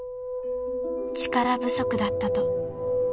［力不足だったと］